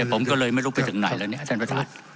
ผมก็เลยไม่รู้ไปถึงไหนแล้วเนี่ยท่านประธาน